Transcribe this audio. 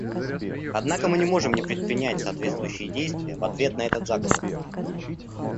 Однако мы не можем не предпринять соответствующие действия в ответ на этот заговор.